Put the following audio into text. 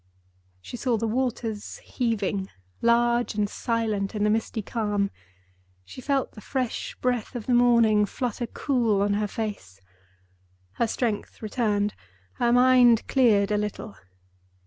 She saw the waters heaving, large and silent, in the misty calm; she felt the fresh breath of the morning flutter cool on her face. Her strength returned; her mind cleared a little.